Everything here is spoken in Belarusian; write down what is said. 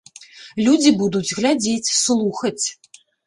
Людзі будуць глядзець, слухаць.